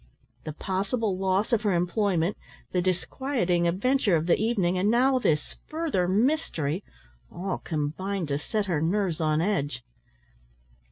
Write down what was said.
The possible loss of her employment, the disquieting adventure of the evening, and now this further mystery all combined to set her nerves on edge.